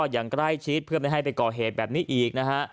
อย่างใกล้ชิดเพื่อไม่ให้ไปก่อเหตุแบบนี้อีกนะฮะ